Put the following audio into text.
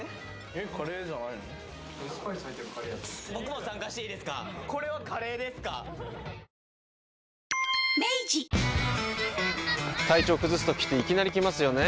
はいはい体調崩すときっていきなり来ますよね。